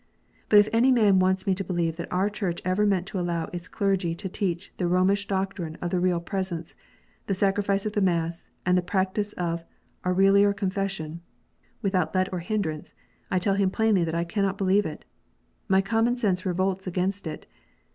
But if any man wants me to believe that our Church ever meant to allow its clergy to teach the Rornish doctrine of the Real Presence, the sacrifice of the Mass, and the practice of auricular confession, without let or hindrance, I tell him plainly that I cannot believe it. My common sense revolts against it.